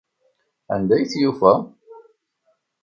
Anda i t-yufa?